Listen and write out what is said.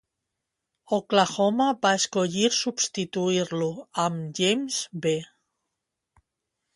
Oklahoma va escollir substituir-lo amb James B.